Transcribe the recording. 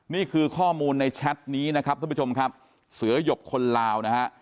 ในแชทนี้นะครับทุกผู้ชมครับเสือหยบคนลาวนะฮะ